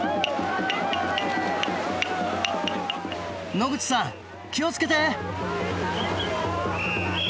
野口さん気を付けて！